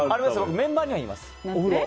メンバーには言います。